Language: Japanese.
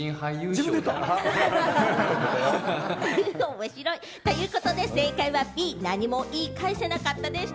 面白い！ということで正解は、Ｂ・何も言い返せなかったでした。